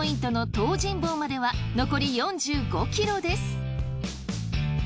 東尋坊までは残り４５ｋｍです。